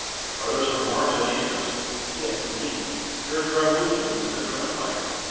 "Are those from Mars of any interest?" "Yes, indeed. There is a revolution in the Central Empire."